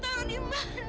saya akan memarahi sesuatu